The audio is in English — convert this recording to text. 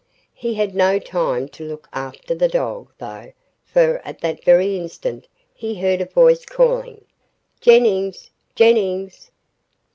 He had no time to look after the dog, though, for at that very instant he heard a voice calling, "Jennings! Jennings!"